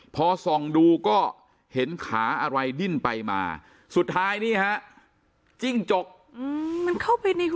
พอส่องดูก็เห็นขาอะไรดิ้นไปมาสุดท้ายนี่ฮะจิ้งจกมันเข้าไปในหัว